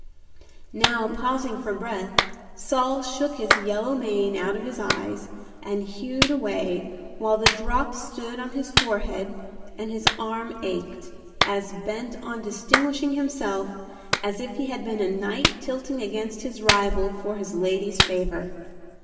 Never pausing for breath Saul shook his yellow mane out of his eyes, and hewed away, while the drops stood on his forehead and his arm ached, as bent on distinguishing himself as if he had been a knight tilting against his rival for his lady's favor.